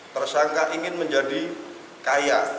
tersangka ingin menjadi kaya